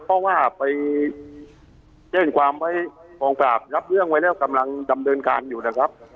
เพราะว่าไปแจ้งความไว้กองปราบรับเรื่องไว้แล้วกำลังดำเนินการอยู่นะครับ